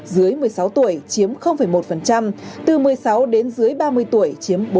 dưới một mươi sáu tuổi chiếm một từ một mươi sáu đến dưới ba mươi tuổi chiếm bốn mươi